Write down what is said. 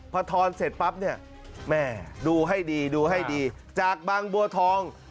พอทอนเสร็จปั๊บเนี่ยแม่ดูให้ดีดูให้ดีจากบางบัวทอง